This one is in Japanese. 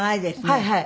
はいはい。